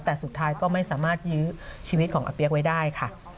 แต่สุดท้ายก็ไม่สามารถยื้อชีวิตของอาเปี๊ยกไว้ได้ค่ะ